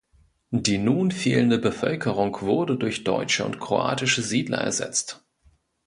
Die nun fehlende Bevölkerung wurde durch deutsche und kroatische Siedler ersetzt.